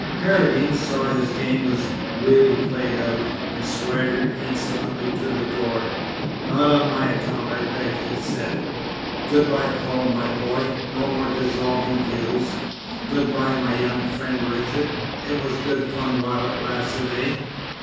Paradine saw his game was really played out, and swaggered insolently to the door: "Not on my account, I beg," he said. "Good bye, Paul, my boy, no more dissolving views. Good bye, my young friend Richard, it was good fun while it lasted, eh?